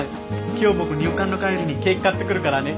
今日僕入管の帰りにケーキ買ってくるからね。